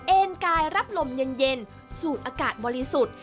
เอ็นกายรับลมเย็นสูดอากาศบริสุทธิ์